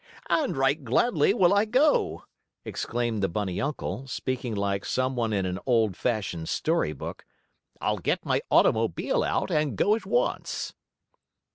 "And right gladly will I go!" exclaimed the bunny uncle, speaking like some one in an old fashioned story book. "I'll get my automobile out and go at once."